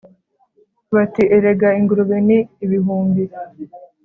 Bati: "Erega ingurube ni ibihumbi!